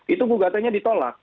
itu gugatannya ditolak